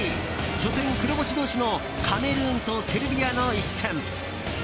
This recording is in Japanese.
初戦黒星同士のカメルーンとセルビアの一戦。